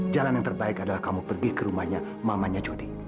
jalan yang terbaik adalah kamu pergi ke rumahnya mamanya jody